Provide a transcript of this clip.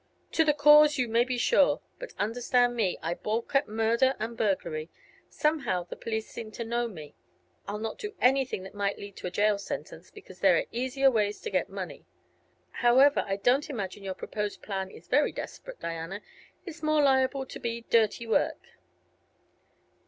"To the cause, you may be sure. But understand me: I balk at murder and burglary. Somehow, the police seem to know me. I'll not do anything that might lead to a jail sentence, because there are easier ways to get money. However, I don't imagine your proposed plan is very desperate, Diana; it's more liable to be dirty work.